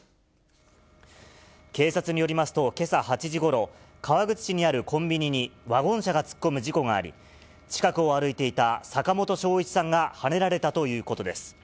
警察によりますと、けさ８時ごろ、川口市にあるコンビニにワゴン車が突っ込む事故があり、近くを歩いていた坂本正一さんがはねられたということです。